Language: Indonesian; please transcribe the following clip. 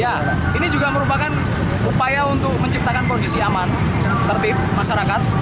ya ini juga merupakan upaya untuk menciptakan kondisi aman tertib masyarakat